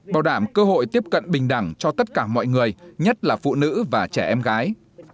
bảo đảm cơ hội tiếp cận bình đẳng cho tất cả mọi người nhất là phụ nữ và trẻ em gái